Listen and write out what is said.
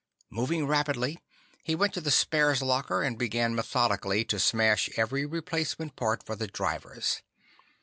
Moving rapidly, he went to the spares locker and began methodically to smash every replacement part for the drivers.